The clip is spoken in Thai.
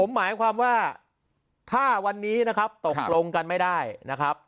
หมายความว่าถ้าวันนี้นะครับตกลงกันไม่ได้นะครับ